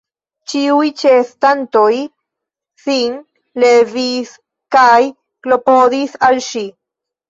Ĉiuj ĉeestantoj sin levis kaj klopodis al ŝi.